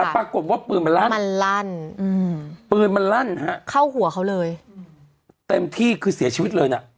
ปรากฏว่าปืนมันลั่นมันลั่นปืนมันลั่นฮะเข้าหัวเขาเลยเต็มที่คือเสียชีวิตเลยน่ะ